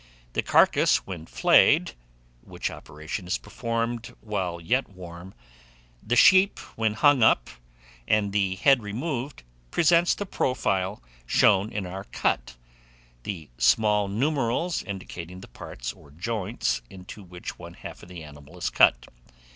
The carcase when flayed (which operation is performed while yet warm), the sheep when hung up and the head removed, presents the profile shown in our cut; the small numerals indicating the parts or joints into which one half of the animal is cut.